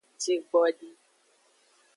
Jigbdi.